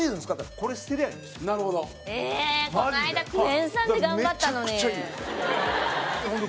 この間クエン酸で頑張ったのに。